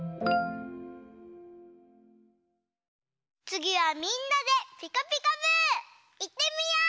つぎはみんなで「ピカピカブ！」いってみよう！